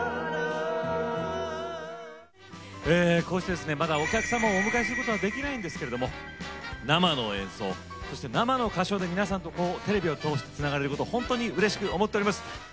こうしてですねまだお客様をお迎えすることはできないんですけれども生の演奏そして生の歌唱で皆さんとテレビを通してつながれることを本当にうれしく思っております。